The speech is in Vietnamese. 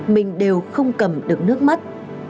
mình đều không cầm được nước mắt